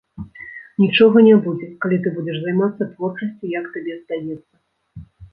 Нічога не будзе, калі ты будзеш займацца творчасцю, як табе здаецца.